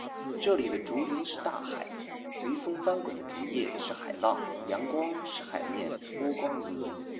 这里的竹林是大海，随风翻滚的竹叶是海浪，阳光使“海面”波光粼粼。